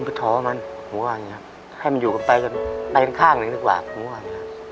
ให้มันอยู่กันไปกันไปข้างหนึ่งด้วยก่อน